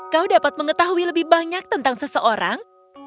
kau dapat mengetahui lebih banyak tentang seseorang